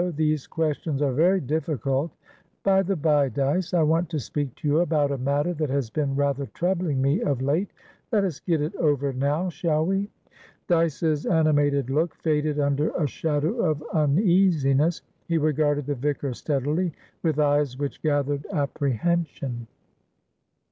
These questions are very difficultBy the bye, Dyce, I want to speak to you about a matter that has been rather troubling me of late. Let us get it over now, shall we?" Dyce's animated look faded under a shadow of uneasiness. He regarded the vicar steadily, with eyes which gathered apprehension.